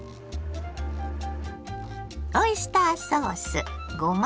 オイスターソースごま